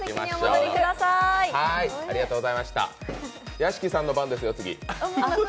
屋敷さんの番ですよ、次。